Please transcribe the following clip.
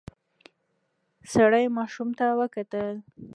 سړی ماشوم ته وکتل.